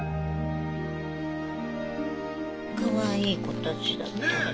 かわいい子たちだったね。ね！